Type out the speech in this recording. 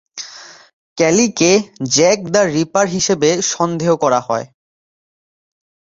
কেলিকে Jack the Ripper হিসেবে সন্দেহ করা হয়।